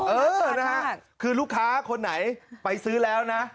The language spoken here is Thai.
เออนะฮะคือลูกค้าคนไหนไปซื้อแล้วนะ